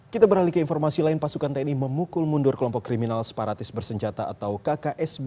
kita beralih ke informasi lain pasukan tni memukul mundur kelompok kriminal separatis bersenjata atau kksb